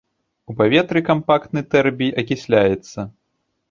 У паветры кампактны тэрбій акісляецца.